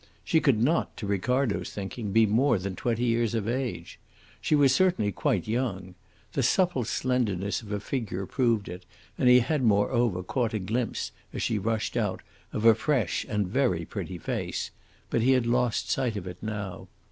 She could not, to Ricardo's thinking, be more than twenty years of age. She was certainly quite young. The supple slenderness of her figure proved it, and he had moreover caught a glimpse, as she rushed out, of a fresh and very pretty face; but he had lost sight of it now.